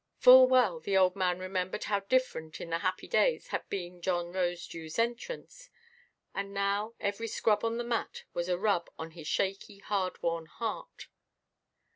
Full well the old man remembered how different, in the happy days, had been John Rosedewʼs entrance; and now every scrub on the mat was a rub on his shaky hard–worn heart.